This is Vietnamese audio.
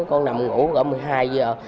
con nằm ngủ gọi một mươi hai giờ